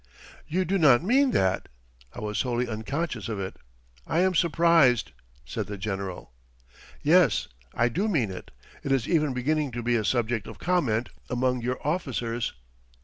"You do not mean that? I was wholly unconscious of it. I am surprised!" said the General. "Yes, I do mean it. It is even beginning to be a subject of comment among your officers."